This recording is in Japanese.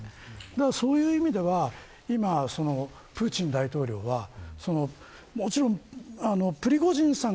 そういう意味ではプーチン大統領はもちろん、プリゴジンさん